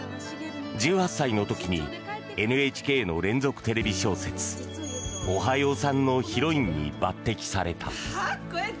１８歳の時にＮＨＫの連続テレビ小説「おはようさん」のヒロインに抜てきされた。